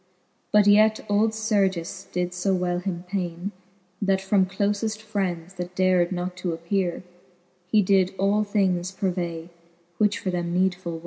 But yet old Sergis did fb well him paine,. That from clofe friends, that dar'd not to appeare, He all things did purvay, which for them needful!